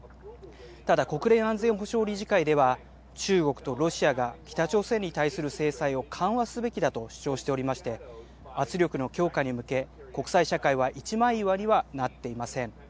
ただ、国連安全保障理事会では中国とロシアが北朝鮮に対する制裁を緩和すべきだと主張しておりまして、圧力の強化に向け、国際社会は一枚岩にはなっていません。